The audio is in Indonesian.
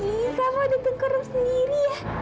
ih kamu ada tengkor sendiri ya